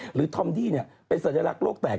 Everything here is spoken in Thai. หรือทอมดี้เป็นสัญลักษณ์โรคแตก